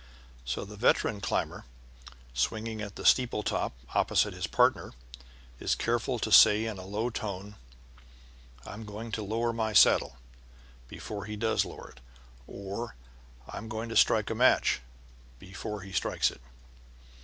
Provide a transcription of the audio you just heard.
So the veteran climber, swinging at the steeple top opposite his partner, is careful to say in a low tone, "I'm going to lower my saddle," before he does lower it; or, "I'm going to strike a match," before he strikes it.